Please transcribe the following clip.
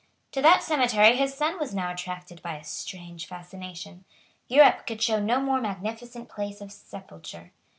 To that cemetery his son was now attracted by a strange fascination. Europe could show no more magnificent place of sepulture.